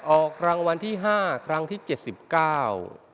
ออกรางวัลที่ห้าครั้งที่เจ็ดสิบเก้า